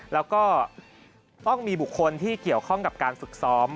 แล้วก็ต้องมีบุคคลที่เกี่ยวข้องกับการฝึกซ้อม